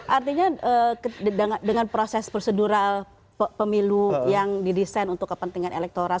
artinya dengan proses prosedural pemilu yang didesain untuk kepentingan elektoral